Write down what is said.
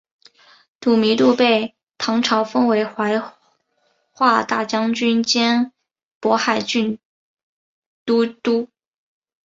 吐迷度被唐朝封为怀化大将军兼瀚海都督。